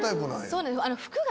そうなんです。